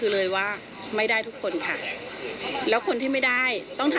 ในคนที่ไม่ได้